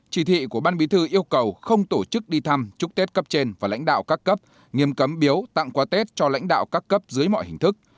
chỉ thị của ban bí thư yêu cầu không tổ chức đi thăm chúc tết cấp trên và lãnh đạo các cấp nghiêm cấm biếu tặng quà tết cho lãnh đạo các cấp dưới mọi hình thức